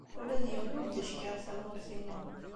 Ula d yiwen ur d-yeckiṛ tamurt-inu.